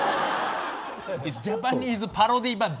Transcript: ジャパニーズパロディーバンド！